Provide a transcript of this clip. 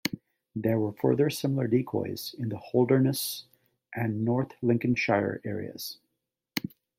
There were further similar decoys in the Holderness and North Lincolnshire areas.